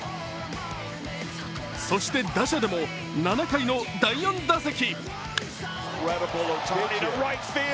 そして打者でも７回の第４打席。